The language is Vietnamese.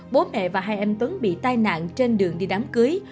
bố mẹ và hai anh tuấn bị tai nạn trên đường đi đám cưới